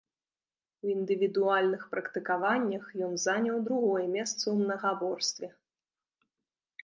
У індывідуальных практыкаваннях ён заняў другое месца ў мнагаборстве.